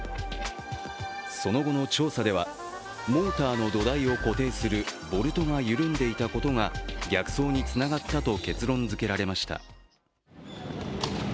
その後の調査では、モーターの土台を固定するボルトが緩んでいたことが逆走につながったと結論づけられました。